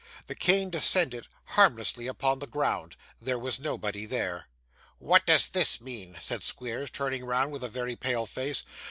The cane descended harmlessly upon the ground. There was nobody there. 'What does this mean?' said Squeers, turning round with a very pale face.